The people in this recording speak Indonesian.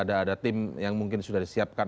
ada tim yang mungkin sudah disiapkan